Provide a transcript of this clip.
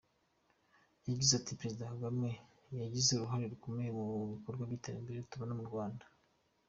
Yagize ati “Perezida Kagame yagize uruhare rukomeye mu bikorwa by’iterambere tubona mu Rwanda.